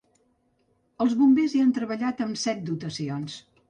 Els bombers hi han treballat amb set dotacions.